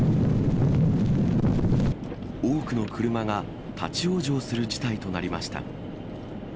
多くの車が立往生する事態となりました。